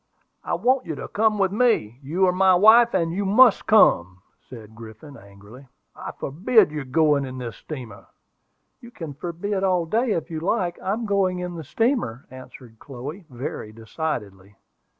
"I want you to come with me; you are my wife and you must come!" said Griffin, angrily. "I forbid your going in this steamer." "You can forbid all day if you like; I'm going in the steamer!" answered Chloe, very decidedly.